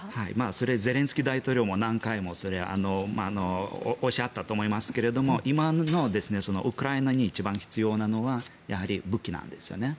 それゼレンスキー大統領も何回もおっしゃったと思いますが今のウクライナに一番必要なのはやはり武器なんですね。